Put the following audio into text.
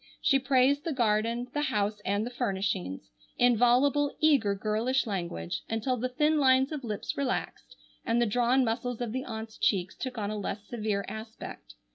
She praised the garden, the house and the furnishings, in voluble, eager, girlish language until the thin lines of lips relaxed and the drawn muscles of the aunts' cheeks took on a less severe aspect.